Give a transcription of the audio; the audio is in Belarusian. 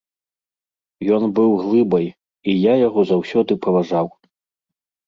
Ён быў глыбай, і я яго заўсёды паважаў.